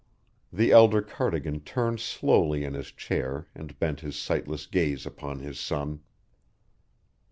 The elder Cardigan turned slowly in his chair and bent his sightless gaze upon his son.